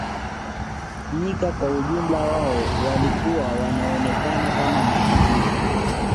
Nyika kwa ujumla wao walikuwa wanaonekana kama maadui